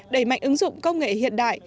đẩy mạnh ứng dụng công nghệ hiện đại